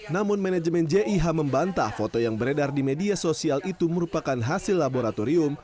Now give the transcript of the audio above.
namun manajemen jih membantah foto yang beredar di media sosial itu merupakan hasil laboratorium